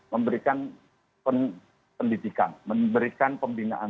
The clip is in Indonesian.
memberikan pendidikan memberikan pembinaan